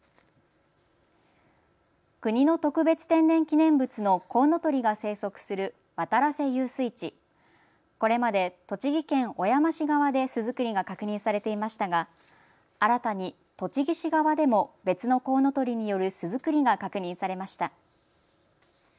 国の特別天然記念物のコウノトリが生息する渡良瀬遊水地、これまで栃木県小山市側で巣作りが確認されていましたが新たに栃木市側でも別のコウノトリによる巣作りが確認されました。